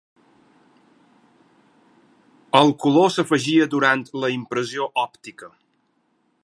El color s'afegia durant la impressió òptica.